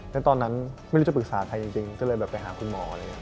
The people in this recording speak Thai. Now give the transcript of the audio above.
แล้วตอนนั้นไม่รู้จะปรึกษาใครจริงก็เลยไปหาคุณหมอ